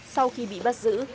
sau khi bị bắt giữ